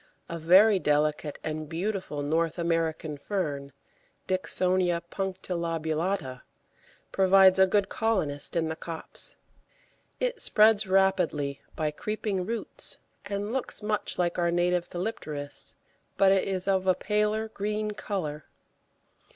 A very delicate and beautiful North American fern (Dicksonia punctilobulata) proves a good colonist in the copse. It spreads rapidly by creeping roots, and looks much like our native Thelipteris, but is of a paler green colour.